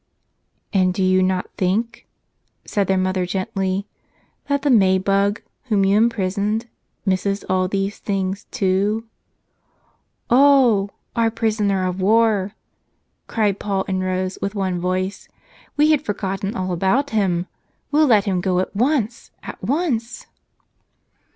"And do you not think," said their mother gently, "that the May bug, whom you imprisoned, misses all these things, too?" "Oh, our 'prisoner of war'!" cried Paul and Rose with one voice. "We had forgotten all about him. We'll let him go at once, at once."